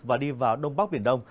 và đi vào đông bắc biển đông